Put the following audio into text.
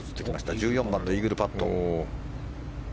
１４番のイーグルパット。